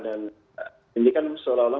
ini kan seolah olah